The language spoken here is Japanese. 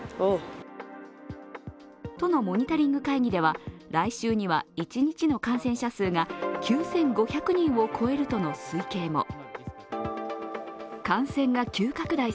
都のモニタリング会議では来週には一日の感染者数が９５００人を超えるとの推計も。